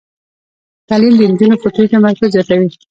تعلیم د نجونو فکري تمرکز زیاتوي.